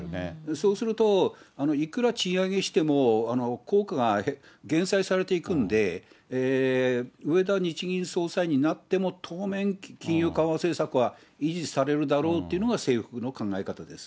そうすると、いくら賃上げしても効果が減殺されていくんで、植田日銀総裁になっても当面、金融緩和政策は維持されるだろうっていうのが政府の考え方です。